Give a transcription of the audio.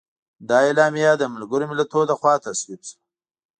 دا اعلامیه د ملګرو ملتونو لخوا تصویب شوه.